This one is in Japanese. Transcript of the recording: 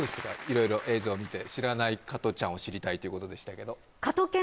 色々映像を見て知らない加トちゃんを知りたいということでしたけど・